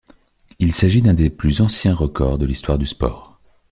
Il s'agit d'un des plus anciens records de l'histoire du sport.